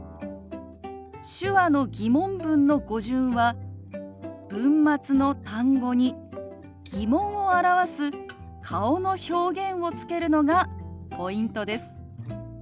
手話の疑問文の語順は文末の単語に疑問を表す顔の表現をつけるのがポイントです。